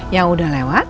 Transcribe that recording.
yang udah lewat